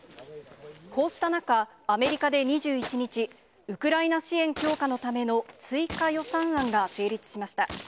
こうした中、アメリカで２１日、ウクライナ支援強化のための追加予算案が成立しました。